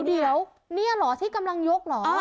เดี๋ยวนี่เหรอที่กำลังยกเหรอ